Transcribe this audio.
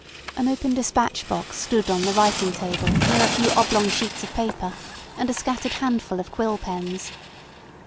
An open despatch box stood on the writing table near a few oblong sheets of paper and a scattered handful of quill pens.